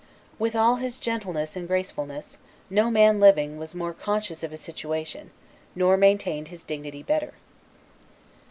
With all his gentleness and gracefulness, no man living was more conscious of his situation, nor maintained his dignity better.